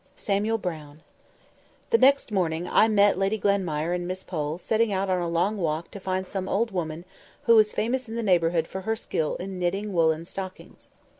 SAMUEL BROWN THE next morning I met Lady Glenmire and Miss Pole setting out on a long walk to find some old woman who was famous in the neighbourhood for her skill in knitting woollen stockings.